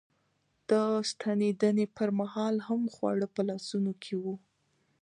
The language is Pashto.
د ستنېدنې پر مهال هم خواړه په لاسونو کې و.